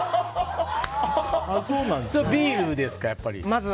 ビールですか、やっぱり。